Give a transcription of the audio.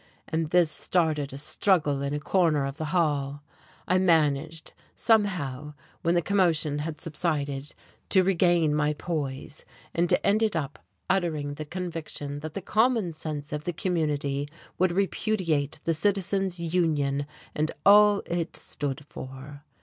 And this started a struggle in a corner of the hall.... I managed, somehow, when the commotion had subsided, to regain my poise, and ended by uttering the conviction that the common sense of the community would repudiate the Citizens Union and all it stood for....